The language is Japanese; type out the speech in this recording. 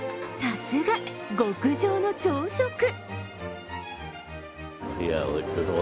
さすが、極上の朝食。